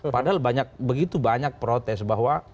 padahal begitu banyak protes bahwa